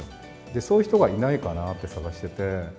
そういう人がいないかなって探してて。